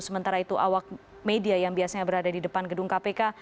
sementara itu awak media yang biasanya berada di depan gedung kpk